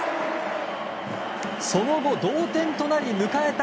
その後、同点となり迎えた